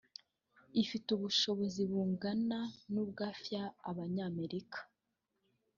ifite ubushobozi bungana n’ubwa F- y’ Abanyamerika